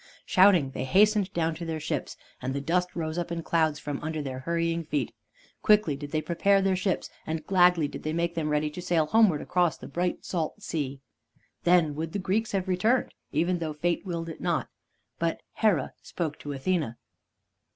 Shouting, they hastened down to their ships. And the dust rose up in clouds from under their hurrying feet. Quickly did they prepare their ships, and gladly did they make them ready to sail homeward across the bright salt sea. Then would the Greeks have returned, even though fate willed it not. But Hera spoke to Athene.